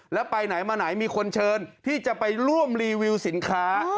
แล้วไปไหนมาไหนมีคนเชิญที่จะไปร่วมรีวิวสินค้า